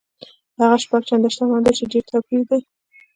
هغه شپږ چنده شتمن دی چې ډېر توپیر دی.